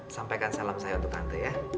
sampaikan salam saya untuk anda ya